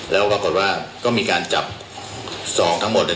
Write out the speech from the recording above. แล้วปรากฏว่าก็มีการจับสองทั้งหมดเนี่ย